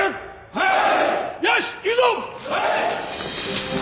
はい！